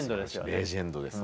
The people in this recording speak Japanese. レジェンドです。